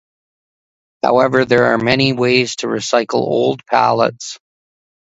However, there are many ways to recycle old pallets.